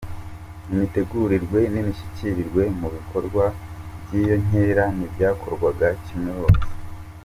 Imitegurirwe n’imishyirirwe mu bikorwa by’iyo nkera ntibyakorwaga kimwe hose .